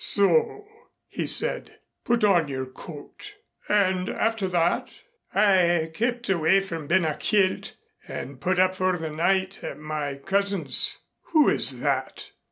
"So " he said. "Put on your coat. And after that?" "I kept away from Ben a Chielt and put up for the night at my cousin's." "Who is that?"